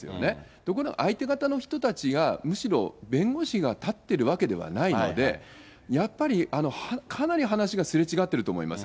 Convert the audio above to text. ところが相手方の人たちはむしろ、弁護士が立ってるわけではないので、やっぱりかなり話がすれ違ってると思います。